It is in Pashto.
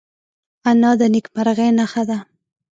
انا د نیکمرغۍ نښه ده